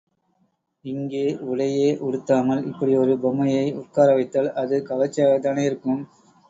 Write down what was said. இங்கே உடையே உடுத்தாமல் இப்படி ஒரு பொம்மையை உட்காரவைத்தால் அது கவர்ச்சியாகத்தானே இருக்கும்.